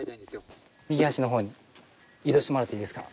右端の方に移動してもらっていいですか？